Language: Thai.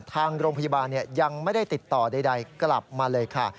ทางโรงพยาบาลยังไม่ได้ติดต่อใดกลับมาเลยค่ะ